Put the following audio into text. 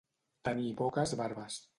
Tenir poques barbes.